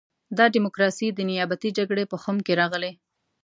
دا ډیموکراسي د نیابتي جګړې په خُم کې راغلې.